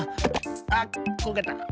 あっこけた。